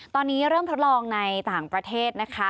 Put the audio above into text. ตอนนี้เริ่มทดลองในต่างประเทศนะคะ